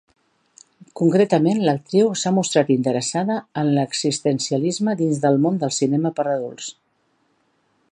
Concretament, l'actriu s'ha mostrat interessada en l'existencialisme dins del món del cinema per adults.